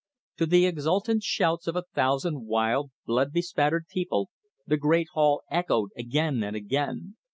To the exultant shouts of a thousand wild, blood bespattered people, the great hall echoed again and again.